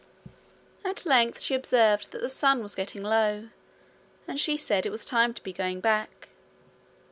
At length she observed that the sun was getting low, and said it was time to be going back.